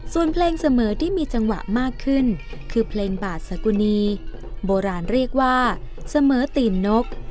ส่วนเพลงเสมอที่มีจังหวะมากขึ้นคือเพลงบาดสกุณีโบราณเรียกว่าเสมอตีนนก